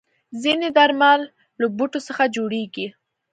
ځینې درمل له بوټو څخه جوړېږي.